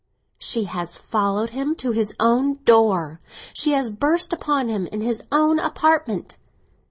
"She has followed him to his own door—she has burst upon him in his own apartment!"